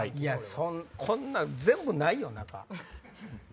こんなん全部ないよ。